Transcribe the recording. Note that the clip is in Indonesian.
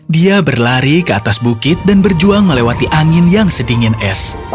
dia berlari ke atas bukit dan berjuang melewati angin yang sedingin es